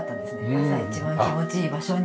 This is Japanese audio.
朝一番気持ちいい場所に。